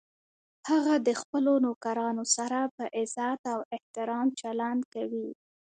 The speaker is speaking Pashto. هغه د خپلو نوکرانو سره په عزت او احترام چلند کوي